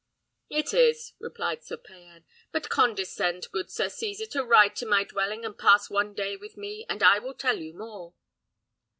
"It is," replied Sir Payan; "but condescend, good Sir Cesar, to ride to my dwelling and pass one day with me, and I will tell you more."